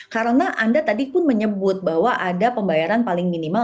karena anda tadi pun menyebut bahwa ada pembayaran paling minimal